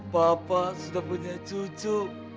papa sudah punya cucu